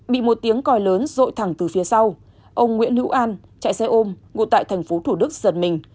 bị một tiếng còi lớn rội thẳng từ phía sau ông nguyễn hữu an chạy xe ôm ngụ tại thành phố thủ đức giật mình